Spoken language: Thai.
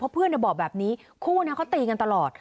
เพราะเพื่อนบอกแบบนี้คู่เขาตีกันตลอด